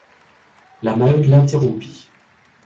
La Maheude l'interrompit.